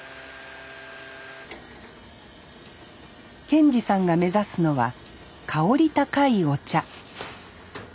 健二さんが目指すのは香り高いお茶。